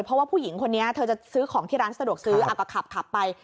เพราะว่าผู้หญิงคนนี้เธอจะซื้อของที่ร้านสะดวกซื้อก็ขับไป